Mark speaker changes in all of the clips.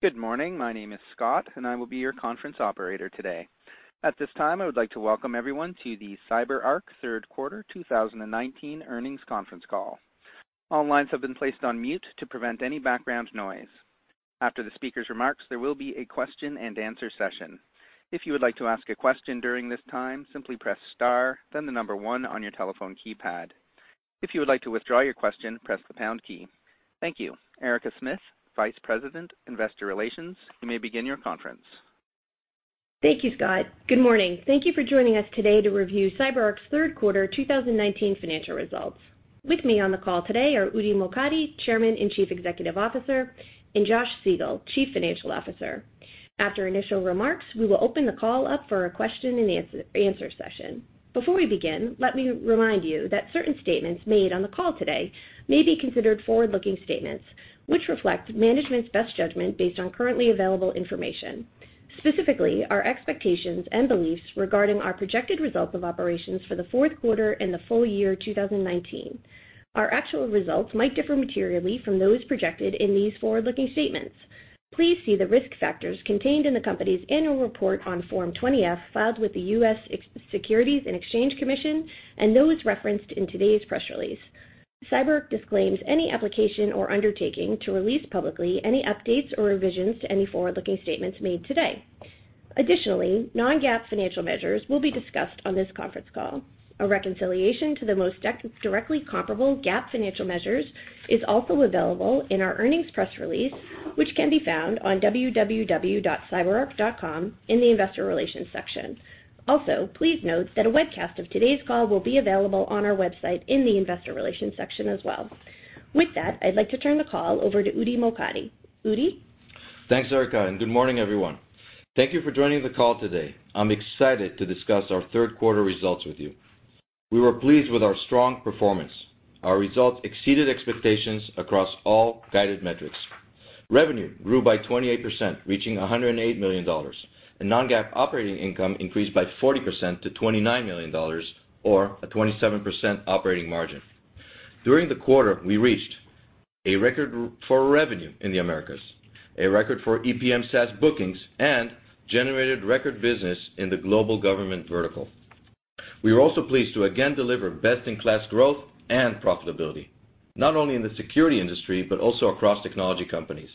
Speaker 1: Good morning. My name is Scott. I will be your conference operator today. At this time, I would like to welcome everyone to the CyberArk Third Quarter 2019 Earnings Conference Call. All lines have been placed on mute to prevent any background noise. After the speaker's remarks, there will be a question and answer session. If you would like to ask a question during this time, simply press star, then the number one on your telephone keypad. If you would like to withdraw your question, press the pound key. Thank you. Erica Smith, Vice President, Investor Relations, you may begin your conference.
Speaker 2: Thank you, Scott. Good morning. Thank you for joining us today to review CyberArk's third quarter 2019 financial results. With me on the call today are Udi Mokady, Chairman and Chief Executive Officer, and Josh Siegel, Chief Financial Officer. After initial remarks, we will open the call up for a question and answer session. Before we begin, let me remind you that certain statements made on the call today may be considered forward-looking statements, which reflect management's best judgment based on currently available information. Specifically, our expectations and beliefs regarding our projected results of operations for the fourth quarter and the full year 2019. Our actual results might differ materially from those projected in these forward-looking statements. Please see the risk factors contained in the company's Annual Report on Form 20-F filed with the U.S. Securities and Exchange Commission, and those referenced in today's press release. CyberArk disclaims any application or undertaking to release publicly any updates or revisions to any forward-looking statements made today. Additionally, non-GAAP financial measures will be discussed on this conference call. A reconciliation to the most directly comparable GAAP financial measures is also available in our earnings press release, which can be found on www.cyberark.com in the investor relations section. Also, please note that a webcast of today's call will be available on our website in the investor relations section as well. With that, I'd like to turn the call over to Udi Mokady. Udi?
Speaker 3: Thanks, Erica, good morning, everyone. Thank you for joining the call today. I'm excited to discuss our third quarter results with you. We were pleased with our strong performance. Our results exceeded expectations across all guided metrics. Revenue grew by 28%, reaching $108 million. Non-GAAP operating income increased by 40% to $29 million, or a 27% operating margin. During the quarter, we reached a record for revenue in the Americas, a record for EPM SaaS bookings, and generated record business in the global government vertical. We were also pleased to again deliver best-in-class growth and profitability, not only in the security industry but also across technology companies.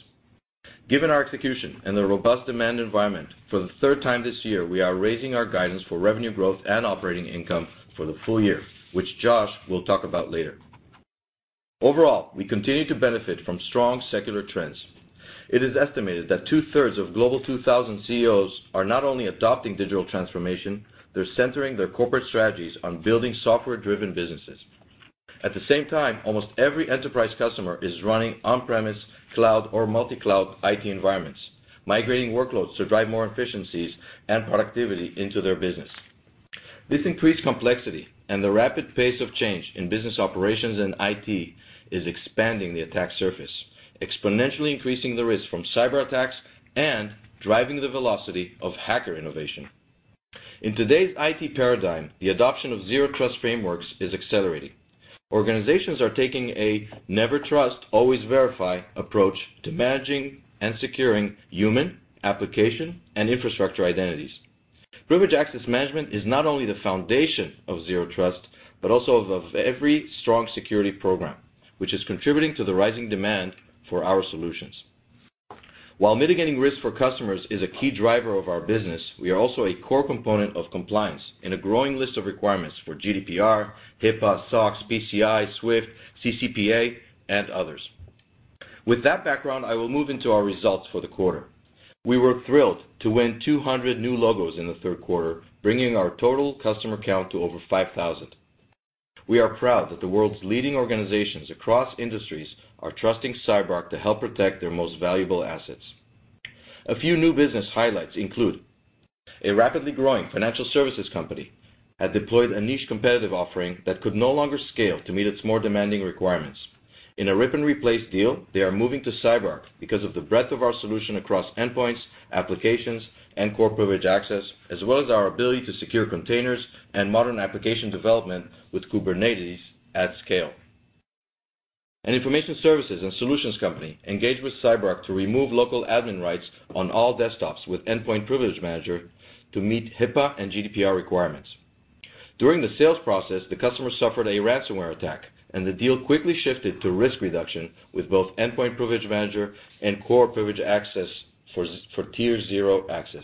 Speaker 3: Given our execution and the robust demand environment, for the third time this year, we are raising our guidance for revenue growth and operating income for the full year, which Josh will talk about later. Overall, we continue to benefit from strong secular trends. It is estimated that two-thirds of Global 2000 CEOs are not only adopting digital transformation, they're centering their corporate strategies on building software-driven businesses. At the same time, almost every enterprise customer is running on-premise, cloud, or multi-cloud IT environments, migrating workloads to drive more efficiencies and productivity into their business. This increased complexity and the rapid pace of change in business operations and IT is expanding the attack surface, exponentially increasing the risk from cyberattacks and driving the velocity of hacker innovation. In today's IT paradigm, the adoption of Zero Trust frameworks is accelerating. Organizations are taking a never trust, always verify approach to managing and securing human, application, and infrastructure identities. Privileged access management is not only the foundation of Zero Trust but also of every strong security program, which is contributing to the rising demand for our solutions. While mitigating risk for customers is a key driver of our business, we are also a core component of compliance in a growing list of requirements for GDPR, HIPAA, SOX, PCI, SWIFT, CCPA, and others. With that background, I will move into our results for the quarter. We were thrilled to win 200 new logos in the third quarter, bringing our total customer count to over 5,000. We are proud that the world's leading organizations across industries are trusting CyberArk to help protect their most valuable assets. A few new business highlights include a rapidly growing financial services company had deployed a niche competitive offering that could no longer scale to meet its more demanding requirements. In a rip and replace deal, they are moving to CyberArk because of the breadth of our solution across endpoints, applications, and Core Privileged Access, as well as our ability to secure containers and modern application development with Kubernetes at scale. An information services and solutions company engaged with CyberArk to remove local admin rights on all desktops with Endpoint Privilege Manager to meet HIPAA and GDPR requirements. During the sales process, the customer suffered a ransomware attack, and the deal quickly shifted to risk reduction with both Endpoint Privilege Manager and Core Privileged Access for tier 0 access.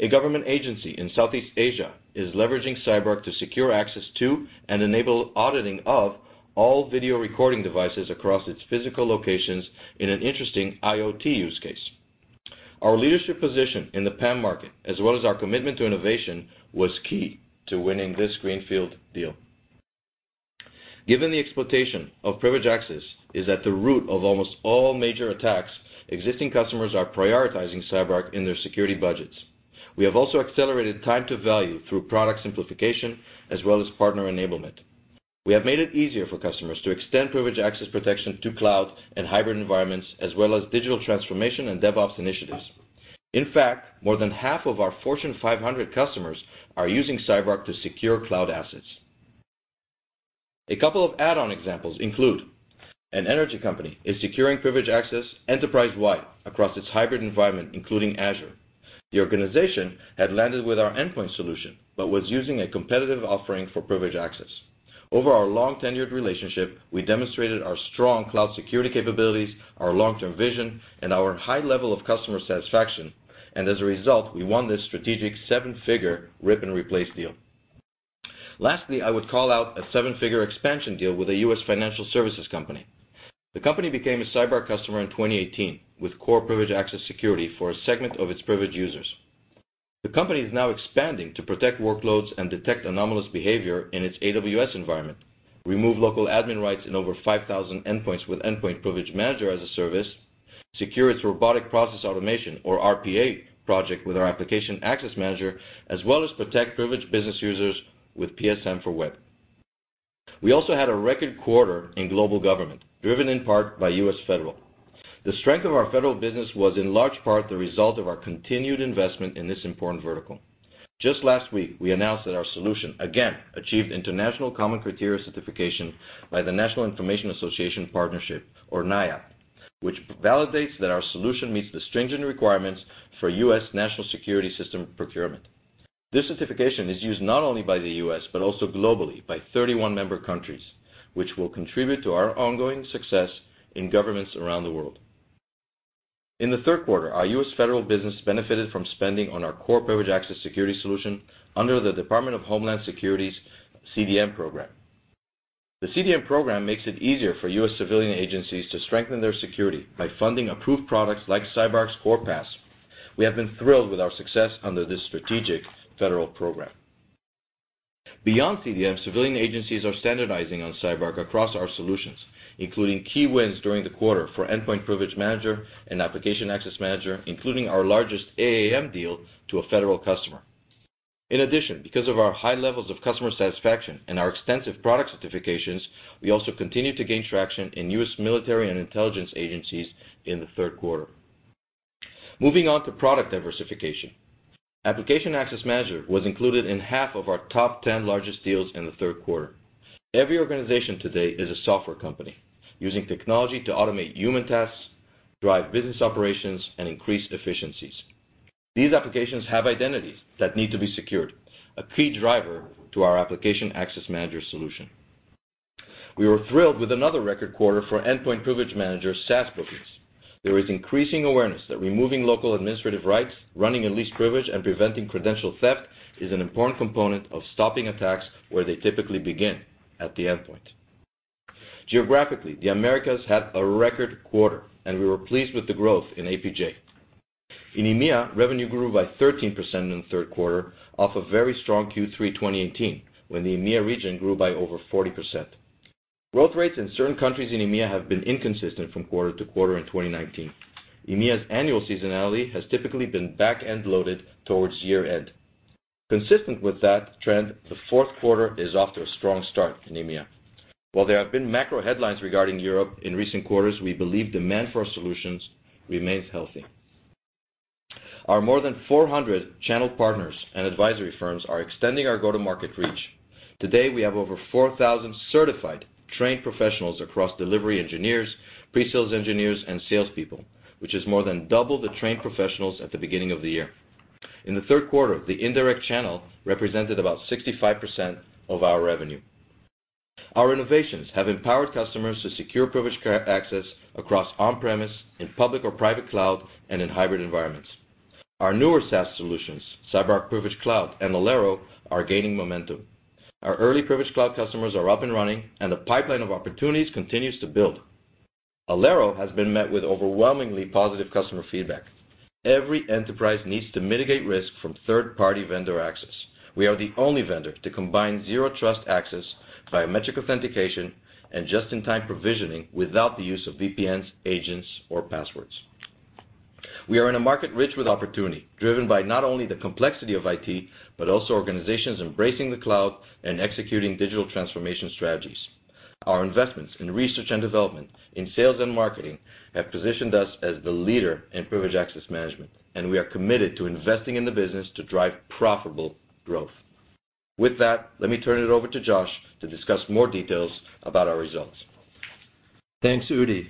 Speaker 3: A government agency in Southeast Asia is leveraging CyberArk to secure access to and enable auditing of all video recording devices across its physical locations in an interesting IoT use case. Our leadership position in the PAM market, as well as our commitment to innovation, was key to winning this greenfield deal. Given the exploitation of privileged access is at the root of almost all major attacks, existing customers are prioritizing CyberArk in their security budgets. We have also accelerated time to value through product simplification as well as partner enablement. We have made it easier for customers to extend privileged access protection to cloud and hybrid environments, as well as digital transformation and DevOps initiatives. In fact, more than half of our Fortune 500 customers are using CyberArk to secure cloud assets. A couple of add-on examples include: an energy company is securing privileged access enterprise-wide across its hybrid environment, including Azure. The organization had landed with our endpoint solution but was using a competitive offering for privileged access. Over our long-tenured relationship, we demonstrated our strong cloud security capabilities, our long-term vision, and our high level of customer satisfaction. As a result, we won this strategic seven-figure rip and replace deal. Lastly, I would call out a seven-figure expansion deal with a U.S. financial services company. The company became a CyberArk customer in 2018 with Core Privileged Access Security for a segment of its privileged users. The company is now expanding to protect workloads and detect anomalous behavior in its AWS environment, remove local admin rights in over 5,000 endpoints with Endpoint Privilege Manager as a service, secure its robotic process automation or RPA project with our Application Access Manager, as well as protect privileged business users with PSM for Web. We also had a record quarter in global government, driven in part by U.S. federal. The strength of our federal business was in large part the result of our continued investment in this important vertical. Just last week, we announced that our solution again achieved international common criteria certification by the National Information Assurance Partnership, or NIAP, which validates that our solution meets the stringent requirements for U.S. national security system procurement. This certification is used not only by the U.S., but also globally by 31 member countries, which will contribute to our ongoing success in governments around the world. In the third quarter, our U.S. federal business benefited from spending on our Core Privileged Access Security solution under the Department of Homeland Security's CDM program. The CDM program makes it easier for U.S. civilian agencies to strengthen their security by funding approved products like CyberArk's Core PAS. We have been thrilled with our success under this strategic federal program. Beyond CDM, civilian agencies are standardizing on CyberArk across our solutions, including key wins during the quarter for Endpoint Privilege Manager and Application Access Manager, including our largest AAM deal to a federal customer. Because of our high levels of customer satisfaction and our extensive product certifications, we also continued to gain traction in US military and intelligence agencies in the third quarter. Moving on to product diversification. Application Access Manager was included in half of our top 10 largest deals in the third quarter. Every organization today is a software company, using technology to automate human tasks, drive business operations, and increase efficiencies. These applications have identities that need to be secured, a key driver to our Application Access Manager solution. We were thrilled with another record quarter for Endpoint Privilege Manager SaaS bookings. There is increasing awareness that removing local administrative rights, running in least privilege, and preventing credential theft is an important component of stopping attacks where they typically begin, at the endpoint. Geographically, the Americas had a record quarter, and we were pleased with the growth in APJ. In EMEA, revenue grew by 13% in the third quarter off a very strong Q3 2018, when the EMEA region grew by over 40%. Growth rates in certain countries in EMEA have been inconsistent from quarter to quarter in 2019. EMEA's annual seasonality has typically been back-end loaded towards year-end. Consistent with that trend, the fourth quarter is off to a strong start in EMEA. While there have been macro headlines regarding Europe in recent quarters, we believe demand for our solutions remains healthy. Our more than 400 channel partners and advisory firms are extending our go-to-market reach. Today, we have over 4,000 certified trained professionals across delivery engineers, pre-sales engineers, and salespeople, which is more than double the trained professionals at the beginning of the year. In the third quarter, the indirect channel represented about 65% of our revenue. Our innovations have empowered customers to secure privileged access across on-premise, in public or private cloud, and in hybrid environments. Our newer SaaS solutions, CyberArk Privilege Cloud and Alero, are gaining momentum. Our early Privilege Cloud customers are up and running, and the pipeline of opportunities continues to build. Alero has been met with overwhelmingly positive customer feedback. Every enterprise needs to mitigate risk from third-party vendor access. We are the only vendor to combine Zero Trust access, biometric authentication, and just-in-time provisioning without the use of VPNs, agents, or passwords. We are in a market rich with opportunity, driven by not only the complexity of IT, but also organizations embracing the cloud and executing digital transformation strategies. Our investments in research and development, in sales and marketing, have positioned us as the leader in Privileged Access Management, and we are committed to investing in the business to drive profitable growth. With that, let me turn it over to Josh to discuss more details about our results.
Speaker 4: Thanks, Udi.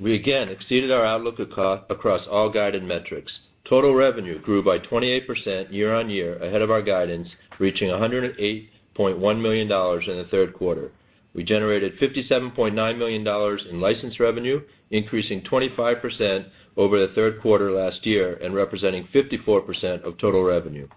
Speaker 4: We again exceeded our outlook across all guided metrics. Total revenue grew by 28% year-on-year ahead of our guidance, reaching $108.1 million in the third quarter. We generated $57.9 million in license revenue, increasing 25% over the third quarter last year and representing 54% of total revenue.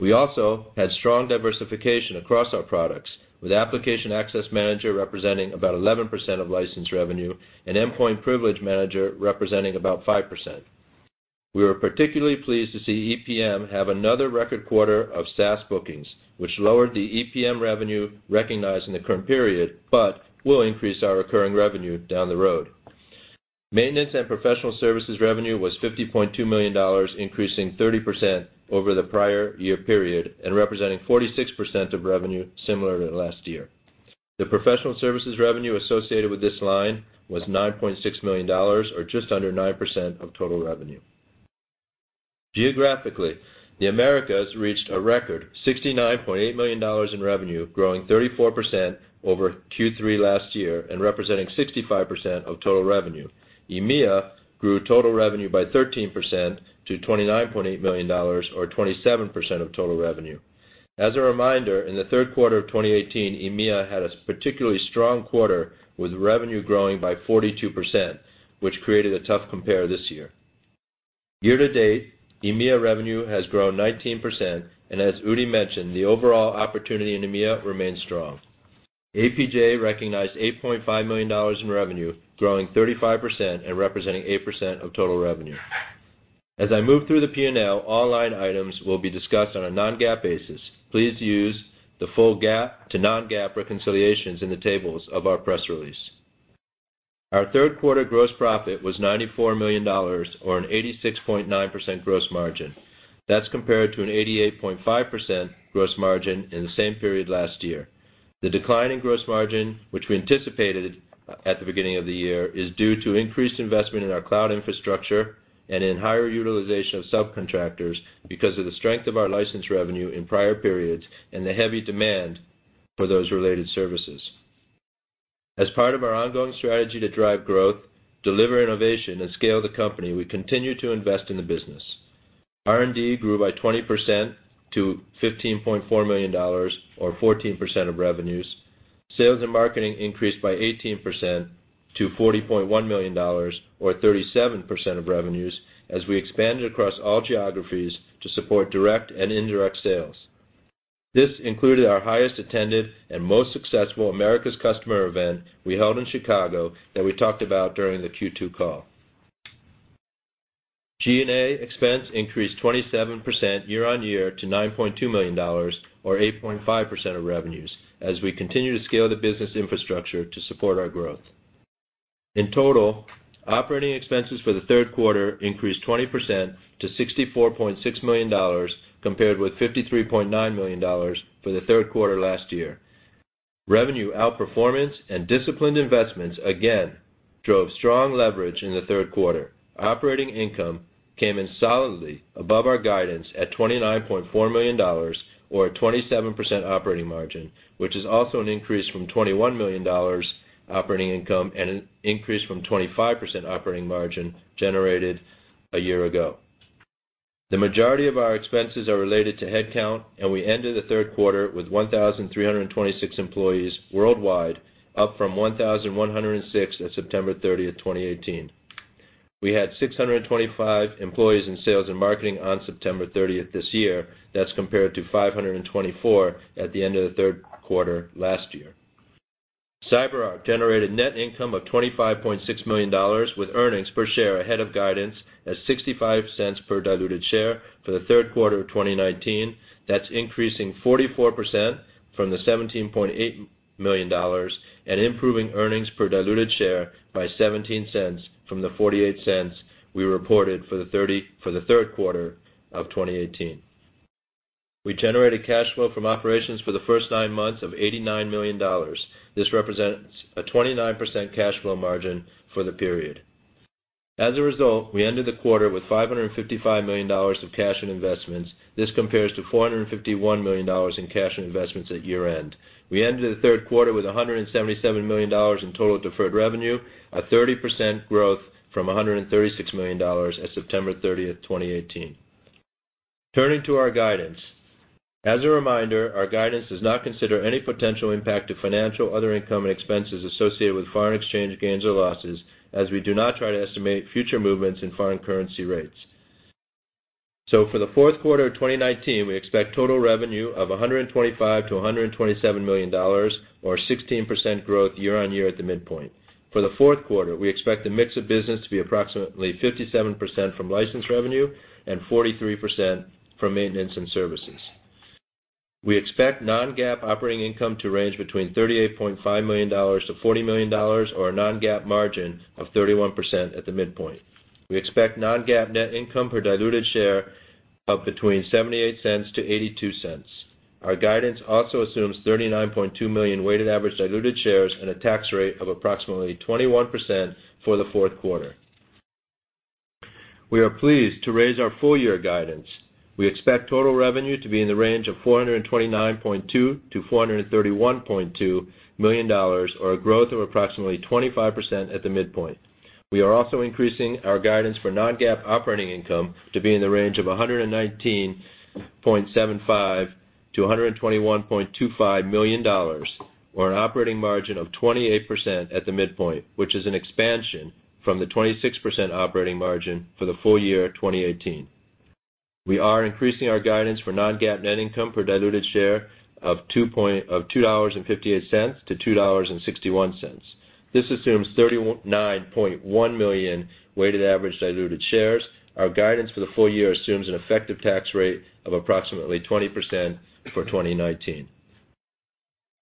Speaker 4: We also had strong diversification across our products, with Application Access Manager representing about 11% of license revenue and Endpoint Privilege Manager representing about 5%. We were particularly pleased to see EPM have another record quarter of SaaS bookings, which lowered the EPM revenue recognized in the current period but will increase our recurring revenue down the road. Maintenance and professional services revenue was $50.2 million, increasing 30% over the prior year period and representing 46% of revenue similar to last year. The professional services revenue associated with this line was $9.6 million, or just under 9% of total revenue. Geographically, the Americas reached a record $69.8 million in revenue, growing 34% over Q3 last year and representing 65% of total revenue. EMEA grew total revenue by 13% to $29.8 million, or 27% of total revenue. As a reminder, in the third quarter of 2018, EMEA had a particularly strong quarter with revenue growing by 42%, which created a tough compare this year. Year to date, EMEA revenue has grown 19%, and as Udi mentioned, the overall opportunity in EMEA remains strong. APJ recognized $8.5 million in revenue, growing 35% and representing 8% of total revenue. As I move through the P&L, all line items will be discussed on a non-GAAP basis. Please use the full GAAP to non-GAAP reconciliations in the tables of our press release. Our third quarter gross profit was $94 million, or an 86.9% gross margin. That's compared to an 88.5% gross margin in the same period last year. The decline in gross margin, which we anticipated at the beginning of the year, is due to increased investment in our cloud infrastructure and in higher utilization of subcontractors because of the strength of our license revenue in prior periods and the heavy demand for those related services. As part of our ongoing strategy to drive growth, deliver innovation, and scale the company, we continue to invest in the business. R&D grew by 20% to $15.4 million, or 14% of revenues. Sales and marketing increased by 18% to $40.1 million, or 37% of revenues, as we expanded across all geographies to support direct and indirect sales. This included our highest attended and most successful Americas customer event we held in Chicago that we talked about during the Q2 call. G&A expense increased 27% year-on-year to $9.2 million, or 8.5% of revenues, as we continue to scale the business infrastructure to support our growth. In total, operating expenses for the third quarter increased 20% to $64.6 million, compared with $53.9 million for the third quarter last year. Revenue outperformance and disciplined investments again drove strong leverage in the third quarter. Operating income came in solidly above our guidance at $29.4 million, or a 27% operating margin, which is also an increase from $21 million operating income and an increase from 25% operating margin generated a year ago. The majority of our expenses are related to headcount, and we ended the third quarter with 1,326 employees worldwide, up from 1,106 at September 30th, 2018. We had 625 employees in sales and marketing on September 30th this year. That's compared to 524 at the end of the third quarter last year. CyberArk generated net income of $25.6 million, with earnings per share ahead of guidance as $0.65 per diluted share for the third quarter of 2019. That's increasing 44% from the $17.8 million and improving earnings per diluted share by $0.17 from the $0.48 we reported for the third quarter of 2018. We generated cash flow from operations for the first nine months of $89 million. This represents a 29% cash flow margin for the period. As a result, we ended the quarter with $555 million of cash and investments. This compares to $451 million in cash and investments at year-end. We ended the third quarter with $177 million in total deferred revenue, a 30% growth from $136 million at September 30th, 2018. Turning to our guidance. As a reminder, our guidance does not consider any potential impact to financial, other income, and expenses associated with foreign exchange gains or losses, as we do not try to estimate future movements in foreign currency rates. For the fourth quarter of 2019, we expect total revenue of $125 million-$127 million, or 16% growth year-on-year at the midpoint. For the fourth quarter, we expect the mix of business to be approximately 57% from license revenue and 43% from maintenance and services. We expect non-GAAP operating income to range between $38.5 million-$40 million, or a non-GAAP margin of 31% at the midpoint. We expect non-GAAP net income per diluted share of between $0.78-$0.82. Our guidance also assumes 39.2 million weighted average diluted shares and a tax rate of approximately 21% for the fourth quarter. We are pleased to raise our full year guidance. We expect total revenue to be in the range of $429.2 million-$431.2 million, or a growth of approximately 25% at the midpoint. We are also increasing our guidance for non-GAAP operating income to be in the range of $119.75 million-$121.25 million, or an operating margin of 28% at the midpoint, which is an expansion from the 26% operating margin for the full year 2018. We are increasing our guidance for non-GAAP net income per diluted share of $2.58-$2.61. This assumes 39.1 million weighted average diluted shares. Our guidance for the full year assumes an effective tax rate of approximately 20% for 2019.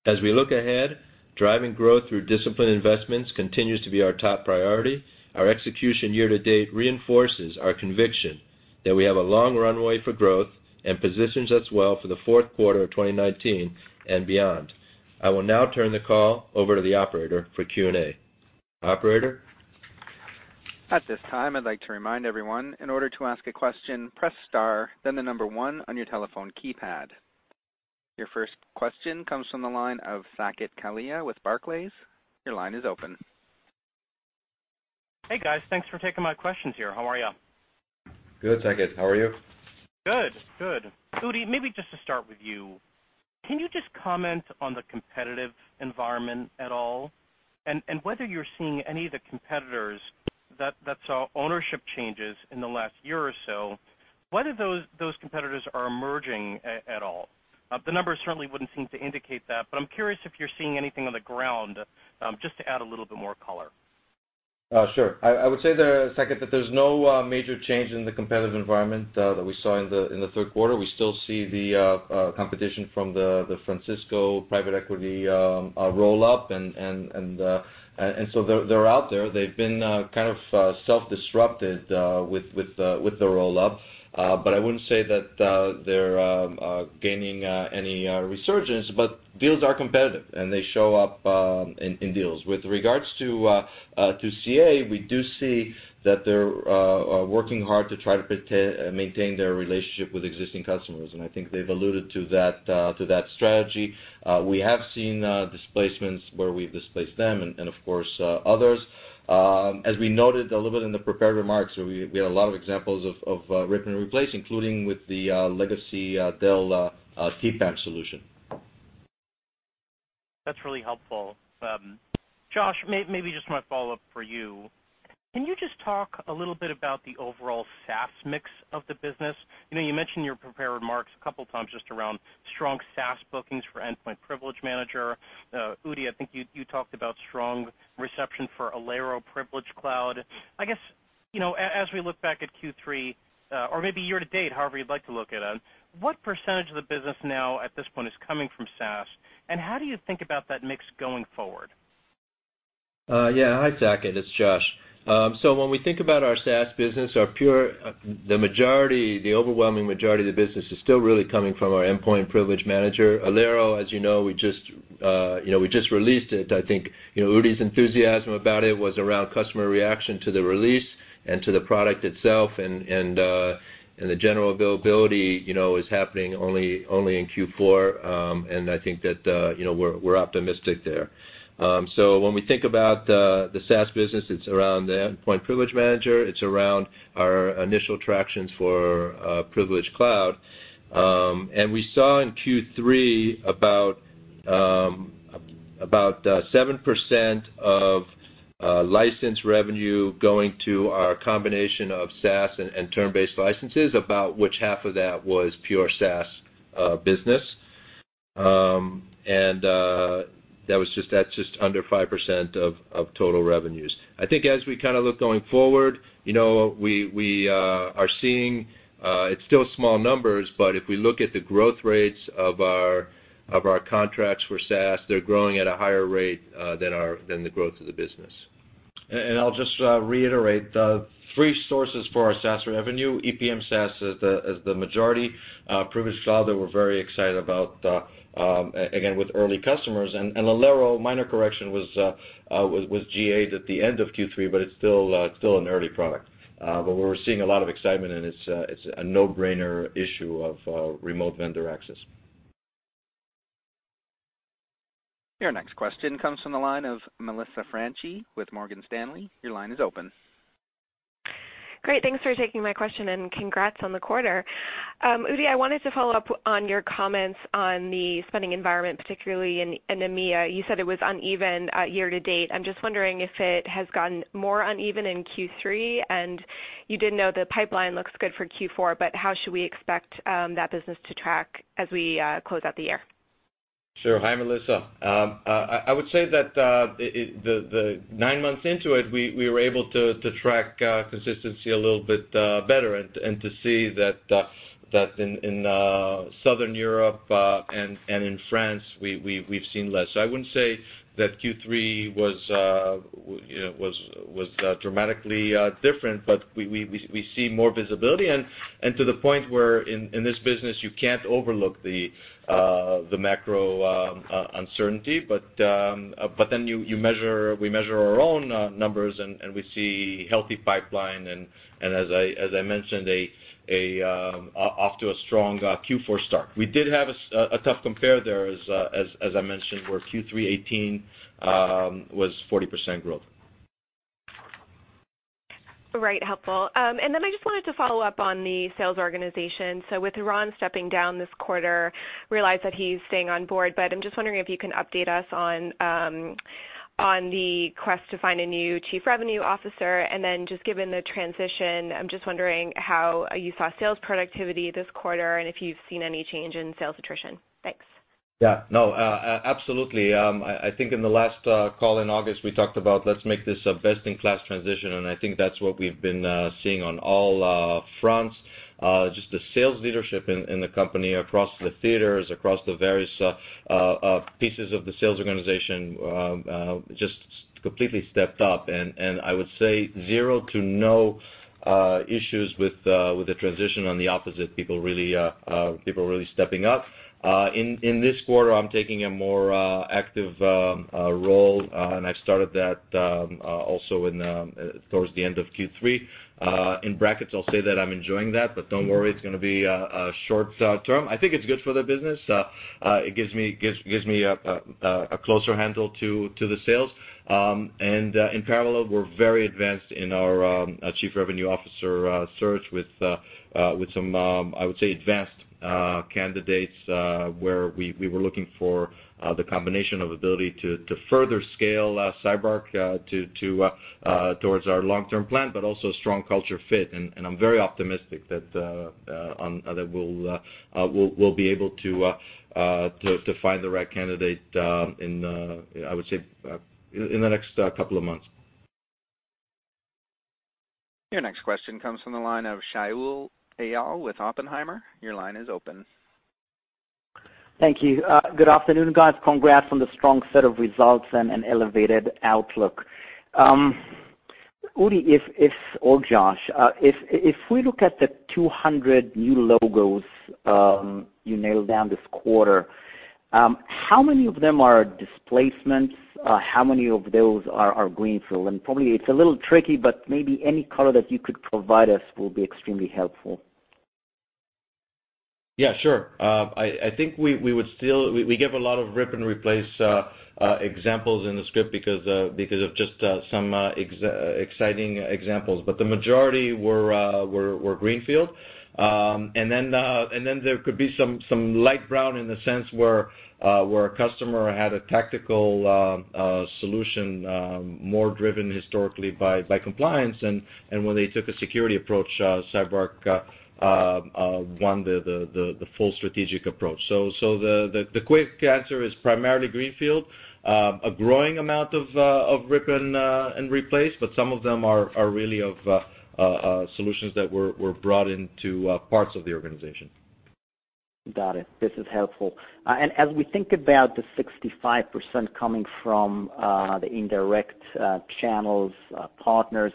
Speaker 4: As we look ahead, driving growth through disciplined investments continues to be our top priority. Our execution year to date reinforces our conviction that we have a long runway for growth and positions us well for the fourth quarter of 2019 and beyond. I will now turn the call over to the operator for Q&A.
Speaker 3: Operator?
Speaker 1: At this time, I'd like to remind everyone, in order to ask a question, press star, then the number one on your telephone keypad. Your first question comes from the line of Saket Kalia with Barclays. Your line is open.
Speaker 5: Hey, guys. Thanks for taking my questions here. How are you?
Speaker 3: Good, Saket. How are you?
Speaker 5: Good. Udi, maybe just to start with you, can you just comment on the competitive environment at all, and whether you're seeing any of the competitors that saw ownership changes in the last year or so, whether those competitors are emerging at all? The numbers certainly wouldn't seem to indicate that, but I'm curious if you're seeing anything on the ground, just to add a little bit more color.
Speaker 3: Sure. I would say, Saket, that there's no major change in the competitive environment that we saw in the third quarter. We still see the competition from the Francisco private equity roll-up. They're out there. They've been kind of self-disrupted with the roll-up. I wouldn't say that they're gaining any resurgence, but deals are competitive, and they show up in deals. With regards to CA, we do see that they're working hard to try to maintain their relationship with existing customers, and I think they've alluded to that strategy. We have seen displacements where we've displaced them and of course, others. As we noted a little bit in the prepared remarks, we had a lot of examples of rip and replace, including with the Legacy Dell TPAM solution.
Speaker 5: That's really helpful. Josh, maybe just my follow-up for you. Can you just talk a little bit about the overall SaaS mix of the business? You mentioned in your prepared remarks a couple times just around strong SaaS bookings for Endpoint Privilege Manager. Udi, I think you talked about strong reception for Alero Privilege Cloud. I guess, as we look back at Q3 or maybe year to date, however you'd like to look at it, what percentage of the business now at this point is coming from SaaS, and how do you think about that mix going forward?
Speaker 4: Yeah. Hi, Saket. It's Josh. When we think about our SaaS business, the overwhelming majority of the business is still really coming from our Endpoint Privilege Manager. Alero, as you know, we just released it. I think Udi's enthusiasm about it was around customer reaction to the release and to the product itself, and the general availability is happening only in Q4. I think that we're optimistic there. When we think about the SaaS business, it's around the Endpoint Privilege Manager. It's around our initial tractions for Privilege Cloud. We saw in Q3 about 7% of license revenue going to our combination of SaaS and term-based licenses, about which half of that was pure SaaS business. That's just under 5% of total revenues.
Speaker 3: I think as we look going forward, we are seeing it's still small numbers, but if we look at the growth rates of our contracts for SaaS, they're growing at a higher rate than the growth of the business. I'll just reiterate the three sources for our SaaS revenue. EPM SaaS is the majority. Privilege Cloud that we're very excited about, again, with early customers. Alero, minor correction, was GA'd at the end of Q3. It's still an early product. We're seeing a lot of excitement, and it's a no-brainer issue of remote vendor access.
Speaker 1: Your next question comes from the line of Melissa Franchi with Morgan Stanley. Your line is open.
Speaker 6: Great. Thanks for taking my question. Congrats on the quarter. Udi, I wanted to follow up on your comments on the spending environment, particularly in EMEA. You said it was uneven year to date. I'm just wondering if it has gotten more uneven in Q3, and you did note the pipeline looks good for Q4, but how should we expect that business to track as we close out the year?
Speaker 3: Sure. Hi, Melissa. I would say that the nine months into it, we were able to track consistency a little bit better and to see that in Southern Europe and in France, we've seen less. I wouldn't say that Q3 was dramatically different, but we see more visibility, and to the point where in this business, you can't overlook the macro uncertainty. We measure our own numbers, and we see healthy pipeline, and as I mentioned, off to a strong Q4 start. We did have a tough compare there, as I mentioned, where Q3 2018 was 40% growth.
Speaker 6: Right. Helpful. I just wanted to follow up on the sales organization. With Ron stepping down this quarter, realize that he's staying on board, but I'm just wondering if you can update us on the quest to find a new Chief Revenue Officer. Given the transition, I'm just wondering how you saw sales productivity this quarter and if you've seen any change in sales attrition. Thanks.
Speaker 3: Yeah. No, absolutely. I think in the last call in August, we talked about let's make this a best-in-class transition, and I think that's what we've been seeing on all fronts. Just the sales leadership in the company across the theaters, across the various pieces of the sales organization, just completely stepped up, and I would say zero to no issues with the transition. On the opposite, people really stepping up. In this quarter, I'm taking a more active role, and I've started that also towards the end of Q3. In brackets, I'll say that I'm enjoying that, but don't worry, it's going to be short term. I think it's good for the business. It gives me a closer handle to the sales. In parallel, we're very advanced in our chief revenue officer search with some, I would say, advanced candidates, where we were looking for the combination of ability to further scale CyberArk towards our long-term plan, but also a strong culture fit. I'm very optimistic that we'll be able to find the right candidate in, I would say, in the next couple of months.
Speaker 1: Your next question comes from the line of Shaul Eyal with Oppenheimer. Your line is open.
Speaker 7: Thank you. Good afternoon, guys. Congrats on the strong set of results and an elevated outlook. Udi or Josh, if we look at the 200 new logos you nailed down this quarter, how many of them are displacements? How many of those are greenfield? Probably it's a little tricky, but maybe any color that you could provide us will be extremely helpful.
Speaker 3: Yeah, sure. I think we give a lot of rip-and-replace examples in the script because of just some exciting examples. The majority were greenfield. There could be some light brown in the sense where a customer had a tactical solution more driven historically by compliance, and when they took a security approach, CyberArk won the full strategic approach. The quick answer is primarily greenfield. A growing amount of rip and replace, but some of them are really of solutions that were brought into parts of the organization.
Speaker 7: Got it. This is helpful. As we think about the 65% coming from the indirect channels, partners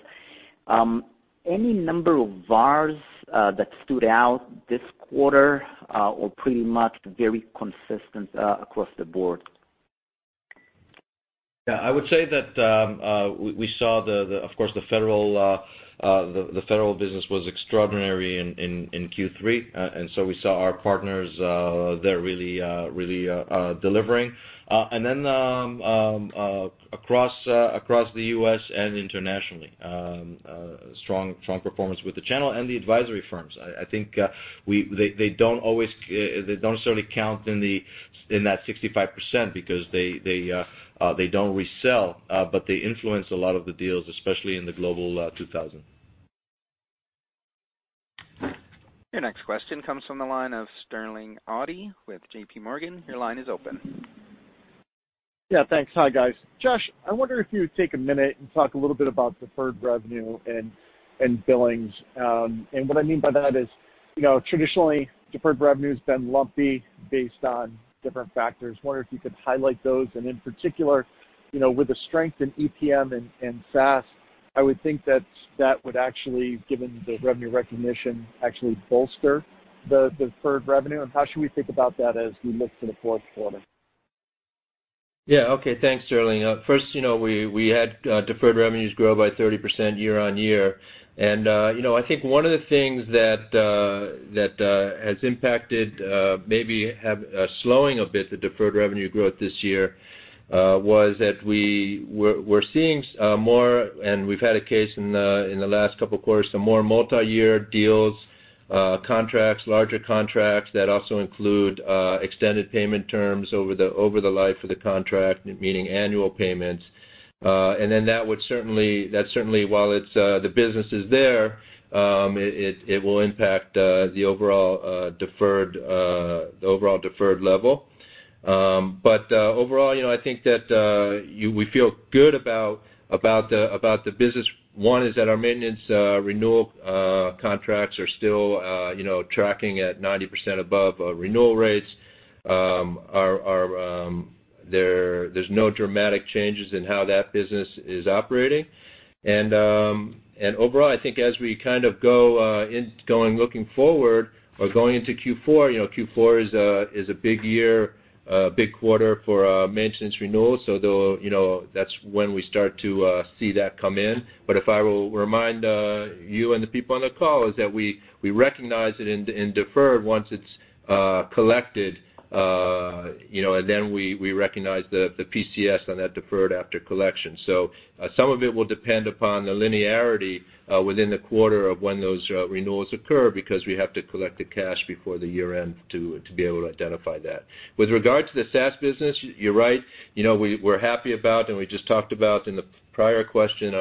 Speaker 7: any number of VARs that stood out this quarter or pretty much very consistent across the board?
Speaker 3: Yeah, I would say that we saw, of course, the federal business was extraordinary in Q3. We saw our partners there really delivering. Across the U.S. and internationally, strong performance with the channel and the advisory firms. I think they don't certainly count in that 65% because they don't resell, but they influence a lot of the deals, especially in the Global 2000.
Speaker 1: Your next question comes from the line of Sterling Auty with JPMorgan. Your line is open.
Speaker 8: Yeah, thanks. Hi guys. Josh, I wonder if you would take a minute and talk a little bit about deferred revenue and billings. What I mean by that is traditionally deferred revenue's been lumpy based on different factors. Wondering if you could highlight those, and in particular, with the strength in EPM and SaaS, I would think that would actually, given the revenue recognition, actually bolster the deferred revenue, and how should we think about that as we look to the fourth quarter?
Speaker 4: Yeah. Okay. Thanks, Sterling. First, we had deferred revenues grow by 30% year-over-year. I think one of the things that has impacted, maybe slowing a bit the deferred revenue growth this year, was that we're seeing more, and we've had a case in the last couple quarters, some more multi-year deals, contracts, larger contracts that also include extended payment terms over the life of the contract, meaning annual payments. That certainly, while the business is there, it will impact the overall deferred level. Overall, I think that we feel good about the business. One is that our maintenance renewal contracts are still tracking at 90% above renewal rates. There's no dramatic changes in how that business is operating. Overall, I think as we kind of go in looking forward or going into Q4 is a big year, big quarter for maintenance renewals, so that's when we start to see that come in. If I will remind you and the people on the call is that we recognize it in deferred once it's collected, and then we recognize the P&L on that deferred after collection. Some of it will depend upon the linearity within the quarter of when those renewals occur, because we have to collect the cash before the year-end to be able to identify that. With regard to the SaaS business, you're right. We're happy about and we just talked about in the prior question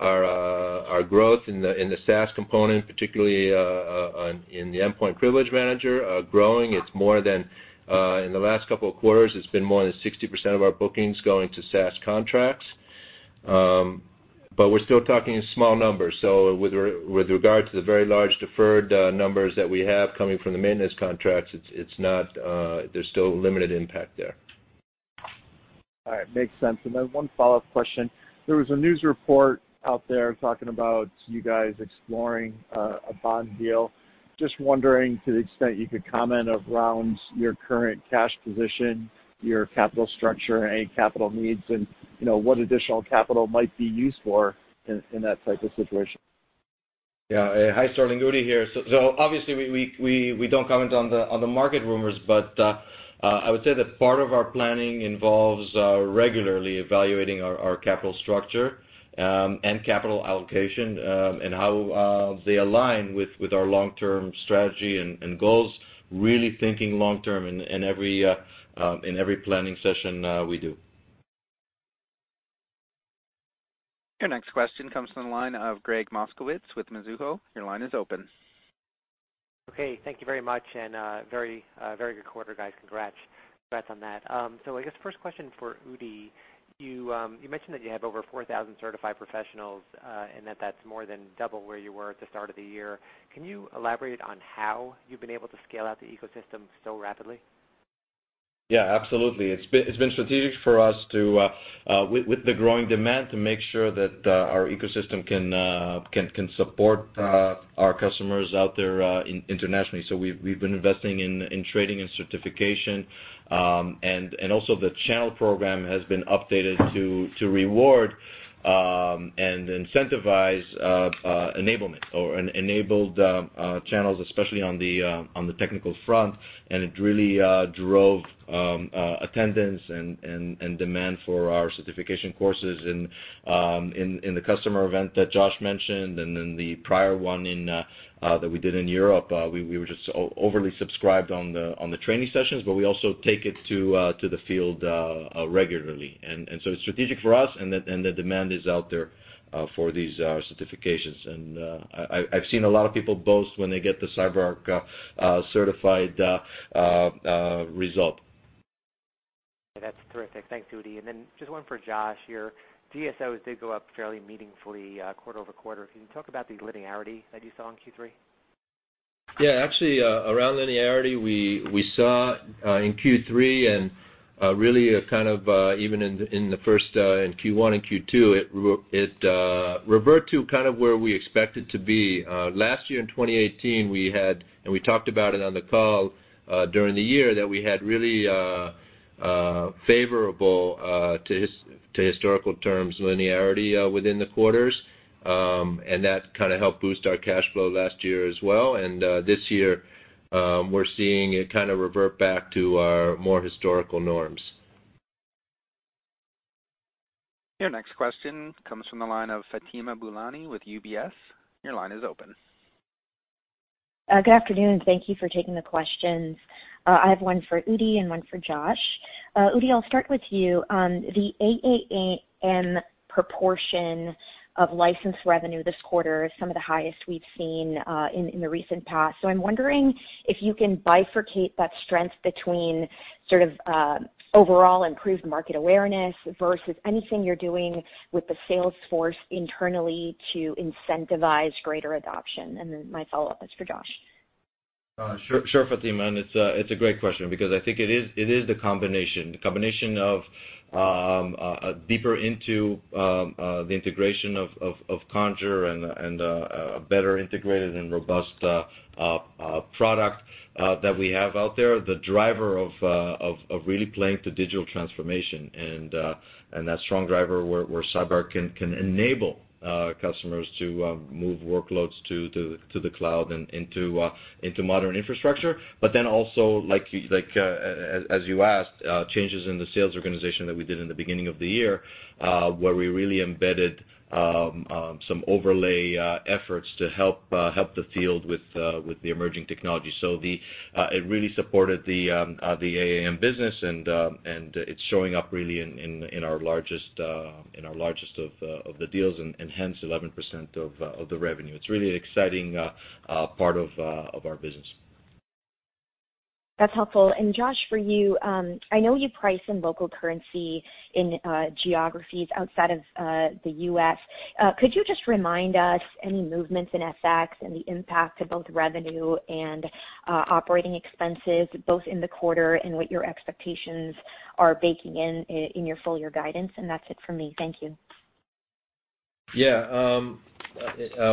Speaker 4: our growth in the SaaS component, particularly in the Endpoint Privilege Manager growing. In the last couple of quarters, it's been more than 60% of our bookings going to SaaS contracts. We're still talking small numbers. With regard to the very large deferred numbers that we have coming from the maintenance contracts, there's still limited impact there.
Speaker 8: All right. Makes sense. One follow-up question. There was a news report out there talking about you guys exploring a bond deal. Just wondering to the extent you could comment around your current cash position, your capital structure, any capital needs, and what additional capital might be used for in that type of situation.
Speaker 3: Yeah. Hi, Sterling, Udi here. Obviously we don't comment on the market rumors, I would say that part of our planning involves regularly evaluating our capital structure and capital allocation, and how they align with our long-term strategy and goals, really thinking long term in every planning session we do.
Speaker 1: Your next question comes from the line of Gregg Moskowitz with Mizuho. Your line is open.
Speaker 9: Okay, thank you very much, and very good quarter, guys. Congrats on that. I guess first question for Udi. You mentioned that you have over 4,000 certified professionals, and that that's more than double where you were at the start of the year. Can you elaborate on how you've been able to scale out the ecosystem so rapidly?
Speaker 3: Absolutely. It's been strategic for us, with the growing demand, to make sure that our ecosystem can support our customers out there internationally. We've been investing in training and certification. Also the channel program has been updated to reward and incentivize enablement or enabled channels, especially on the technical front. It really drove attendance and demand for our certification courses in the customer event that Josh mentioned. The prior one that we did in Europe, we were just overly subscribed on the training sessions, but we also take it to the field regularly. It's strategic for us, and the demand is out there for these certifications. I've seen a lot of people boast when they get the CyberArk certified result.
Speaker 9: That's terrific. Thanks, Udi. Just one for Josh. Your DSOs did go up fairly meaningfully quarter-over-quarter. Can you talk about the linearity that you saw in Q3?
Speaker 4: Yeah. Actually, around linearity, we saw in Q3 and really even in Q1 and Q2, it revert to where we expect it to be. Last year in 2018, we talked about it on the call during the year, that we had really favorable, to historical terms, linearity within the quarters. That helped boost our cash flow last year as well. This year, we're seeing it revert back to our more historical norms.
Speaker 1: Your next question comes from the line of Fatima Boolani with UBS. Your line is open.
Speaker 10: Good afternoon. Thank you for taking the questions. I have one for Udi and one for Josh. Udi, I'll start with you. The AAM proportion of licensed revenue this quarter is some of the highest we've seen in the recent past. I'm wondering if you can bifurcate that strength between overall improved market awareness versus anything you're doing with the sales force internally to incentivize greater adoption. My follow-up is for Josh.
Speaker 3: Sure, Fatima, it's a great question because I think it is the combination. The combination of deeper into the integration of Conjur and a better integrated and robust product that we have out there, the driver of really playing to digital transformation and that strong driver where CyberArk can enable customers to move workloads to the cloud and into modern infrastructure. Also, as you asked, changes in the sales organization that we did in the beginning of the year, where we really embedded some overlay efforts to help the field with the emerging technology. It really supported the AAM business, and it's showing up really in our largest of the deals and hence 11% of the revenue. It's really an exciting part of our business.
Speaker 10: That's helpful. Josh, for you, I know you price in local currency in geographies outside of the U.S. Could you just remind us any movements in FX and the impact to both revenue and operating expenses, both in the quarter and what your expectations are baking in in your full-year guidance? That's it for me. Thank you.
Speaker 4: Yeah.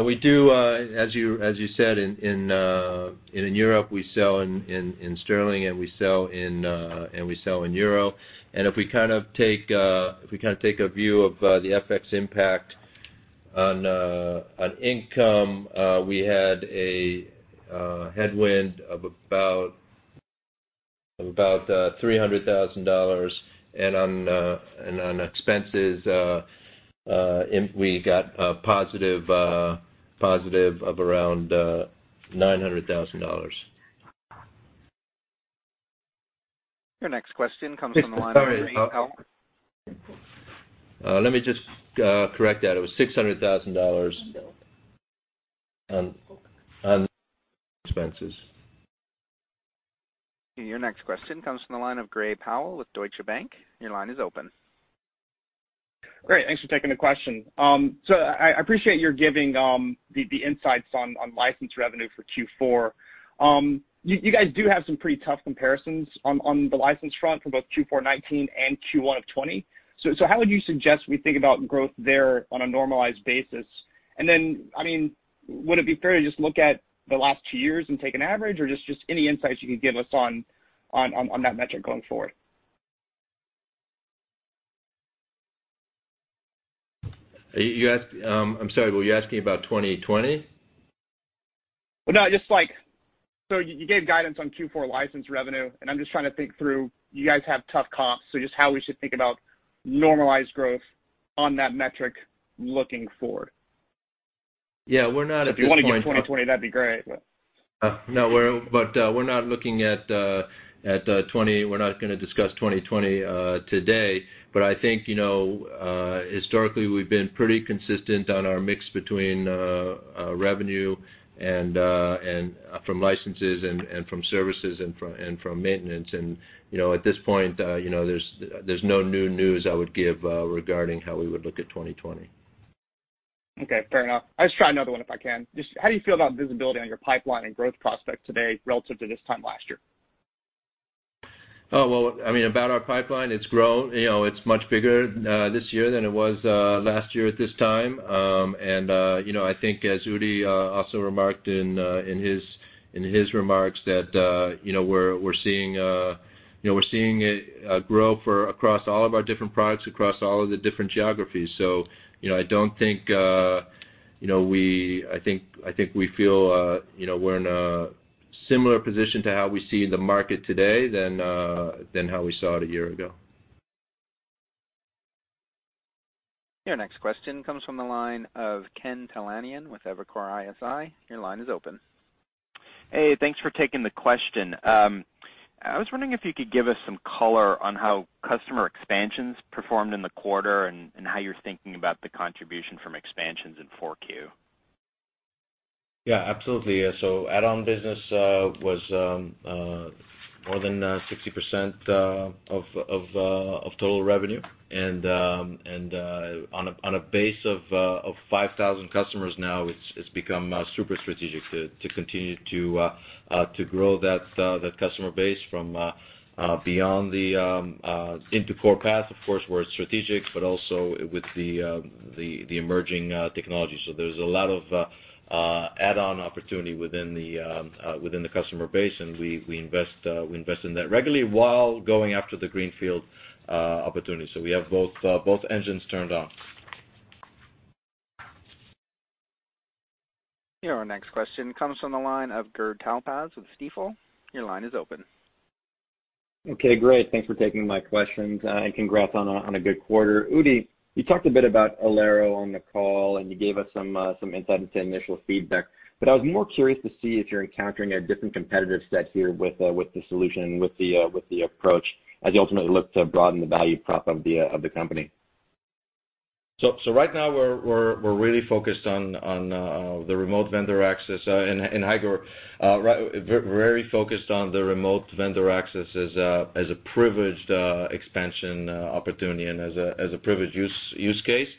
Speaker 4: We do, as you said, in Europe, we sell in GBP, and we sell in EUR. If we take a view of the FX impact on income, we had a headwind of about $300,000, and on expenses, we got a positive of around $900,000.
Speaker 1: Your next question comes from the line of.
Speaker 4: Sorry. Let me just correct that. It was $600,000 on expenses.
Speaker 1: Your next question comes from the line of Gray Powell with Deutsche Bank. Your line is open.
Speaker 11: Great. Thanks for taking the question. I appreciate your giving the insights on license revenue for Q4. You guys do have some pretty tough comparisons on the license front for both Q4 2019 and Q1 of 2020. How would you suggest we think about growth there on a normalized basis? Would it be fair to just look at the last two years and take an average or just any insights you can give us on that metric going forward?
Speaker 4: I'm sorry, were you asking about 2020?
Speaker 11: No. You gave guidance on Q4 license revenue, and I'm just trying to think through, you guys have tough comps. Just how we should think about normalized growth on that metric looking forward.
Speaker 4: Yeah. We're not at this point.
Speaker 11: If you want to give 2020, that'd be great, but.
Speaker 4: No. We're not going to discuss 2020 today. I think historically, we've been pretty consistent on our mix between revenue from licenses and from services and from maintenance. At this point there's no new news I would give regarding how we would look at 2020.
Speaker 11: Okay. Fair enough. I'll just try another one if I can. How do you feel about visibility on your pipeline and growth prospects today relative to this time last year?
Speaker 4: Oh, well, about our pipeline, it's grown. It's much bigger this year than it was last year at this time. I think as Udi also remarked in his remarks that we're seeing it grow across all of our different products, across all of the different geographies. I think we feel we're in a similar position to how we see the market today than how we saw it a year ago.
Speaker 1: Your next question comes from the line of Ken Talanian with Evercore ISI. Your line is open.
Speaker 12: Hey, thanks for taking the question. I was wondering if you could give us some color on how customer expansions performed in the quarter, and how you're thinking about the contribution from expansions in 4Q.
Speaker 3: Yeah, absolutely. Add-on business was more than 60% of total revenue. On a base of 5,000 customers now, it's become super strategic to continue to grow that customer base from beyond into Core PAS, of course, where it's strategic, but also with the emerging technology. There's a lot of add-on opportunity within the customer base, and we invest in that regularly while going after the greenfield opportunities. We have both engines turned on.
Speaker 1: Your next question comes from the line of Gur Talpaz with Stifel. Your line is open.
Speaker 13: Okay, great. Thanks for taking my questions, and congrats on a good quarter. Udi, you talked a bit about Alero on the call, and you gave us some insight into initial feedback. I was more curious to see if you're encountering a different competitive set here with the solution, with the approach as you ultimately look to broaden the value prop of the company.
Speaker 3: Right now we're really focused on the remote vendor access, and high growth. Very focused on the remote vendor access as a privileged expansion opportunity and as a privileged use case.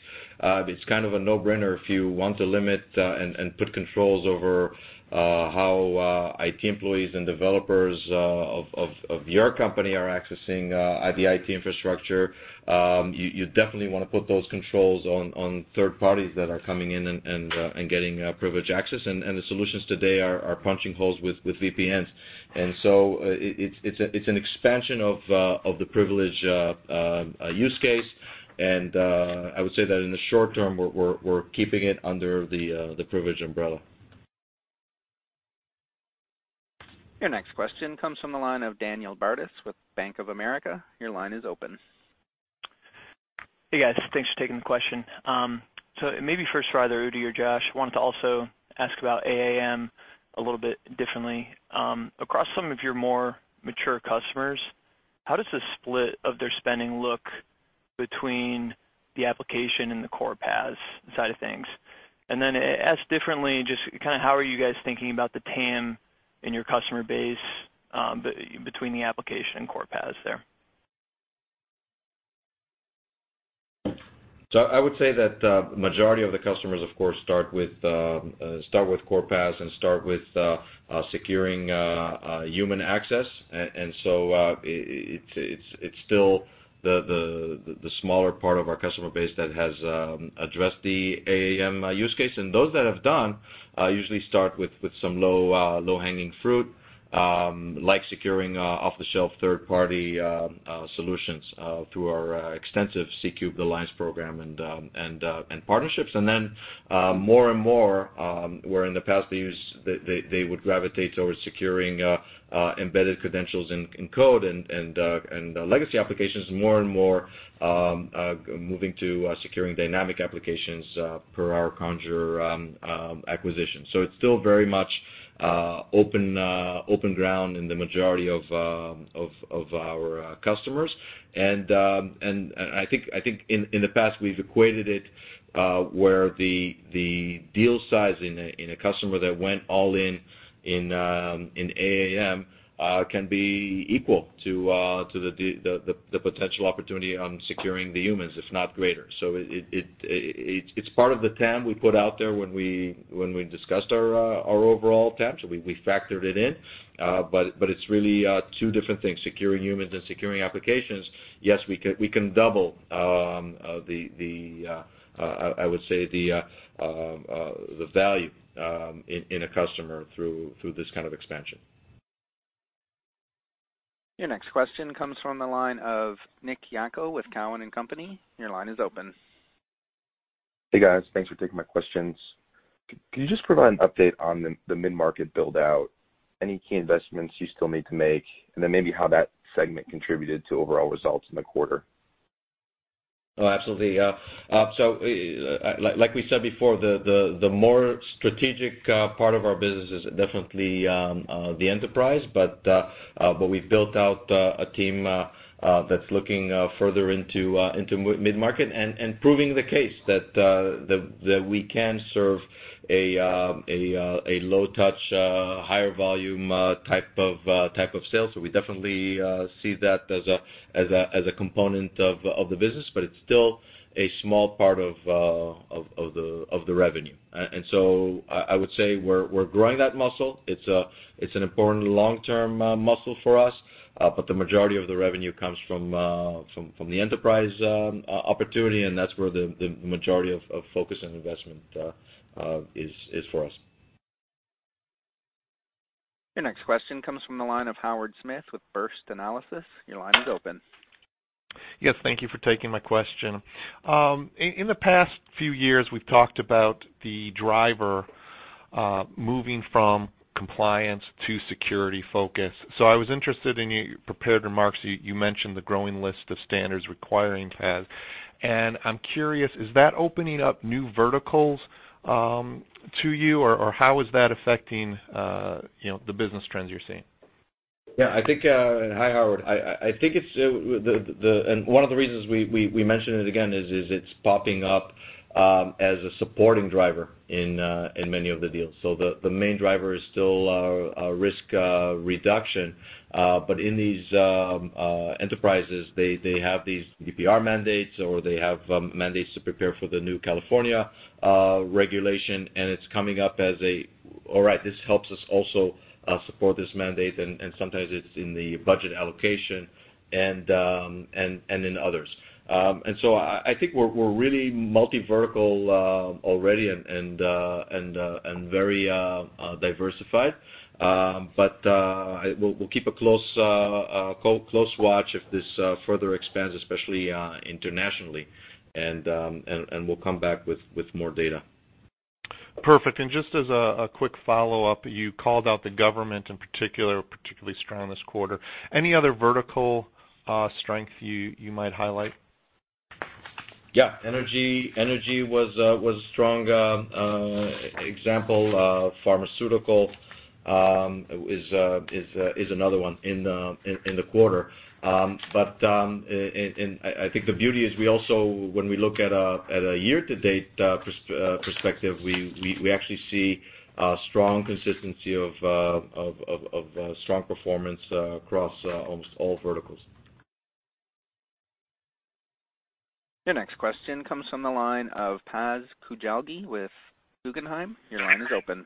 Speaker 3: It's kind of a no-brainer if you want to limit and put controls over how IT employees and developers of your company are accessing the IT infrastructure. You definitely want to put those controls on third parties that are coming in and getting privileged access. The solutions today are punching holes with VPNs. It's an expansion of the privilege use case. I would say that in the short term, we're keeping it under the privilege umbrella.
Speaker 1: Your next question comes from the line of Daniel Bardis with Bank of America. Your line is open.
Speaker 14: Hey, guys. Thanks for taking the question. Maybe first for either Udi or Josh, wanted to also ask about AAM a little bit differently. Across some of your more mature customers, how does the split of their spending look between the application and the Core PAS side of things? Asked differently, just how are you guys thinking about the TAM in your customer base between the application and Core PAS there?
Speaker 3: I would say that majority of the customers, of course, start with Core PAS and start with securing human access. It's still the smaller part of our customer base that has addressed the AAM use case. Those that have done usually start with some low-hanging fruit, like securing off-the-shelf third-party solutions through our extensive C3 Alliance program and partnerships. More and more, where in the past they would gravitate towards securing embedded credentials in code and legacy applications, more and more moving to securing dynamic applications per our Conjur acquisition. It's still very much open ground in the majority of our customers. I think in the past, we've equated it where the deal size in a customer that went all in AAM can be equal to the potential opportunity on securing the humans, if not greater. It's part of the TAM we put out there when we discussed our overall TAM, so we factored it in. It's really two different things, securing humans and securing applications. Yes, we can double, I would say, the value in a customer through this kind of expansion.
Speaker 1: Your next question comes from the line of Nick Yako with Cowen and Company. Your line is open.
Speaker 15: Hey, guys. Thanks for taking my questions. Could you just provide an update on the mid-market build-out, any key investments you still need to make, and then maybe how that segment contributed to overall results in the quarter?
Speaker 3: Absolutely. Like we said before, the more strategic part of our business is definitely the enterprise, but we've built out a team that's looking further into mid-market and proving the case that we can serve a low-touch, higher volume type of sale. We definitely see that as a component of the business, but it's still a small part of the revenue. I would say we're growing that muscle. It's an important long-term muscle for us, but the majority of the revenue comes from the enterprise opportunity, and that's where the majority of focus and investment is for us.
Speaker 1: Your next question comes from the line of Howard Smith with First Analysis. Your line is open.
Speaker 16: Yes, thank you for taking my question. In the past few years, we've talked about the driver moving from compliance to security focus. I was interested in your prepared remarks, you mentioned the growing list of standards requiring PAS. I'm curious, is that opening up new verticals to you, or how is that affecting the business trends you're seeing?
Speaker 3: Yeah. Hi, Howard. One of the reasons we mention it again is it's popping up as a supporting driver in many of the deals. The main driver is still risk reduction. In these enterprises, they have these GDPR mandates, or they have mandates to prepare for the new California regulation, and it's coming up as a, "All right, this helps us also support this mandate," and sometimes it's in the budget allocation and in others. I think we're really multi-vertical already and very diversified. We'll keep a close watch if this further expands, especially internationally, and we'll come back with more data.
Speaker 16: Perfect. Just as a quick follow-up, you called out the government in particular, particularly strong this quarter. Any other vertical strength you might highlight?
Speaker 3: Yeah. Energy was a strong example. Pharmaceutical is another one in the quarter. I think the beauty is we also, when we look at a year-to-date perspective, we actually see a strong consistency of strong performance across almost all verticals.
Speaker 1: Your next question comes from the line of Taz Koujalgi with Guggenheim. Your line is open.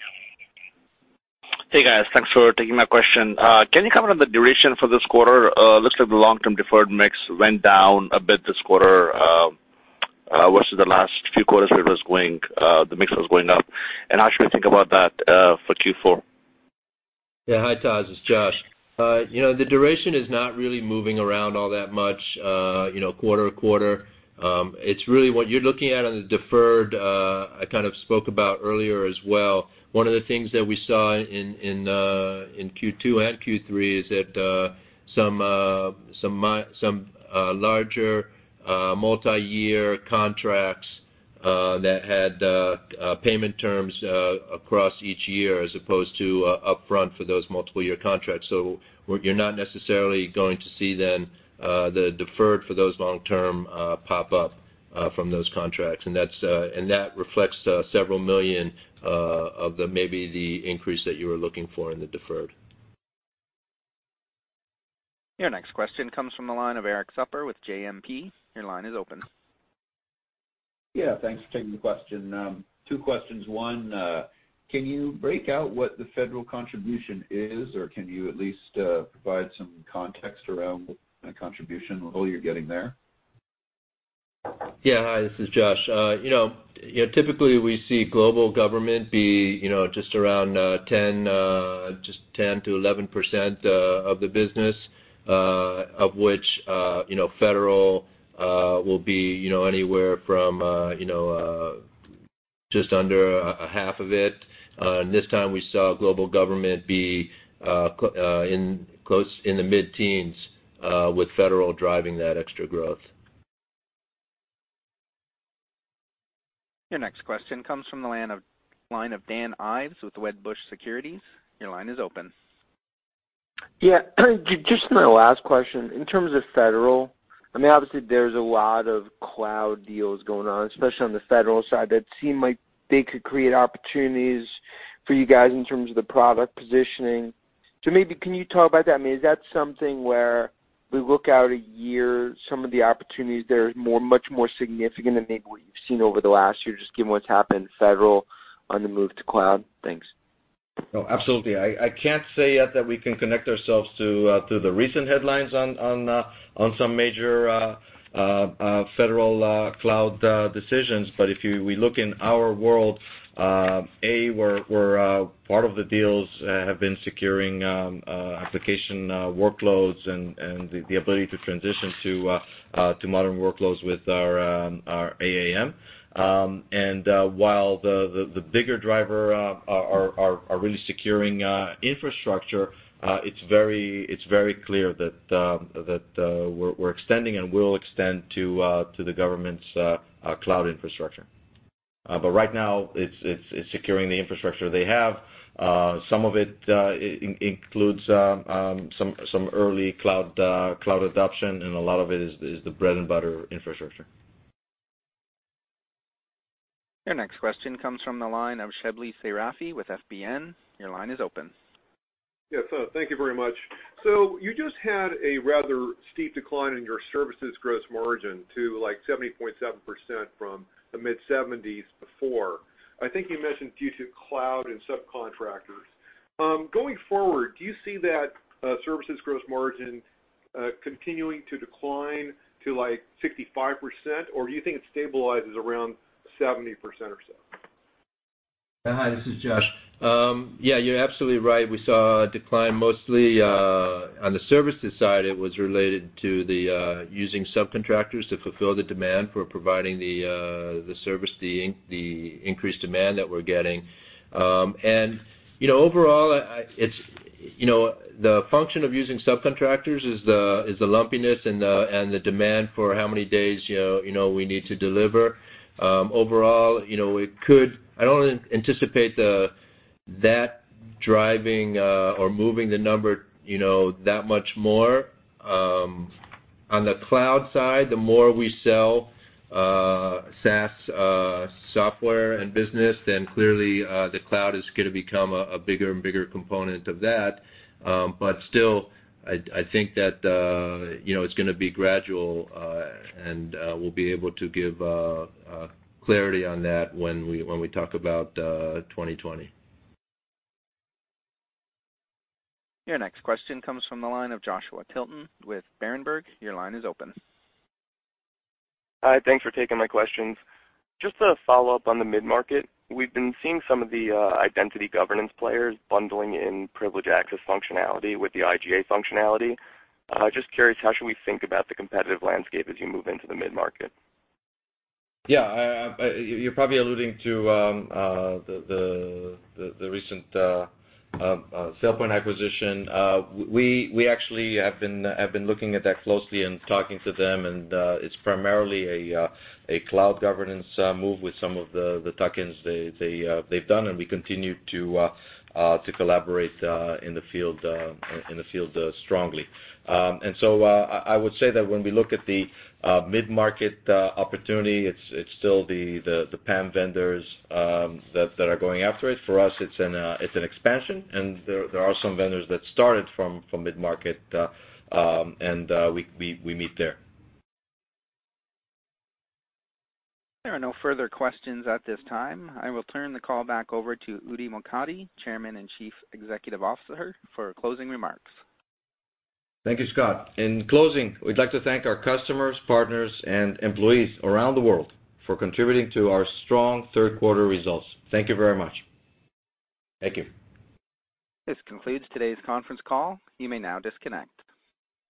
Speaker 17: Hey, guys. Thanks for taking my question. Can you comment on the duration for this quarter? It looks like the long-term deferred mix went down a bit this quarter versus the last few quarters where the mix was going up. How should we think about that for Q4?
Speaker 4: Yeah. Hi, Taz. It's Josh. The duration is not really moving around all that much quarter-to-quarter. It's really what you're looking at on the deferred, I kind of spoke about earlier as well. One of the things that we saw in Q2 and Q3 is that some larger multi-year contracts that had payment terms across each year as opposed to upfront for those multiple year contracts. You're not necessarily going to see then the deferred for those long-term pop up from those contracts. That reflects several million of maybe the increase that you were looking for in the deferred.
Speaker 1: Your next question comes from the line of Erik Suppiger with JMP. Your line is open.
Speaker 18: Yeah, thanks for taking the question. Two questions. One, can you break out what the federal contribution is, or can you at least provide some context around the contribution level you're getting there?
Speaker 4: Yeah. Hi, this is Josh. Typically, we see global government be just around 10%-11% of the business, of which federal will be anywhere from just under a half of it. This time we saw global government be close in the mid-teens with federal driving that extra growth.
Speaker 1: Your next question comes from the line of Dan Ives with Wedbush Securities. Your line is open.
Speaker 19: Yeah. Just my last question. In terms of federal, obviously there's a lot of cloud deals going on, especially on the federal side, that seem like they could create opportunities for you guys in terms of the product positioning. Maybe can you talk about that? Is that something where we look out a year, some of the opportunities there is much more significant than maybe what you've seen over the last year, just given what's happened federal on the move to cloud? Thanks.
Speaker 3: No, absolutely. I can't say yet that we can connect ourselves to the recent headlines on some major federal cloud decisions. If we look in our world, where part of the deals have been securing application workloads and the ability to transition to modern workloads with our AAM. While the bigger driver are really securing infrastructure, it's very clear that we're extending and will extend to the government's cloud infrastructure. Right now it's securing the infrastructure they have. Some of it includes some early cloud adoption, and a lot of it is the bread-and-butter infrastructure.
Speaker 1: Your next question comes from the line of Shebly Seyrafi with FBN. Your line is open.
Speaker 20: Yes, thank you very much. You just had a rather steep decline in your services gross margin to like 70.7% from the mid-70s before. I think you mentioned due to cloud and subcontractors. Going forward, do you see that services gross margin continuing to decline to like 65%, or do you think it stabilizes around 70% or so?
Speaker 4: Hi, this is Josh. Yeah, you're absolutely right. We saw a decline mostly on the services side. It was related to using subcontractors to fulfill the demand for providing the service, the increased demand that we're getting. Overall, the function of using subcontractors is the lumpiness and the demand for how many days we need to deliver. Overall, I don't anticipate that driving or moving the number that much more. On the cloud side, the more we sell SaaS software and business, clearly the cloud is going to become a bigger and bigger component of that. Still, I think that it's going to be gradual, and we'll be able to give clarity on that when we talk about 2020.
Speaker 1: Your next question comes from the line of Joshua Tilton with Berenberg. Your line is open.
Speaker 21: Hi, thanks for taking my questions. Just a follow-up on the mid-market. We've been seeing some of the identity governance players bundling in privileged access functionality with the IGA functionality. Just curious, how should we think about the competitive landscape as you move into the mid-market?
Speaker 3: Yeah. You're probably alluding to the recent SailPoint acquisition. We actually have been looking at that closely and talking to them, and it's primarily a cloud governance move with some of the tuck-ins they've done, and we continue to collaborate in the field strongly. I would say that when we look at the mid-market opportunity, it's still the PAM vendors that are going after it. For us, it's an expansion, and there are some vendors that started from mid-market, and we meet there.
Speaker 1: There are no further questions at this time. I will turn the call back over to Udi Mokady, Chairman and Chief Executive Officer, for closing remarks.
Speaker 3: Thank you, Scott. In closing, we'd like to thank our customers, partners, and employees around the world for contributing to our strong third-quarter results. Thank you very much. Thank you.
Speaker 1: This concludes today's conference call. You may now disconnect.